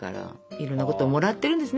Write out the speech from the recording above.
いろんなこともらってるんですね。